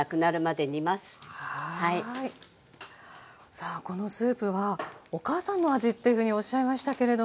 さあこのスープはお母さんの味というふうにおっしゃいましたけれども。